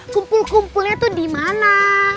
kumpul kumpulnya tuh di mana